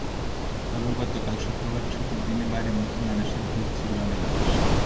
তবে গতকাল শুক্রবার ছুটির দিনে বাড়িমুখী মানুষের ভিড় ছিল অনেক বেশি।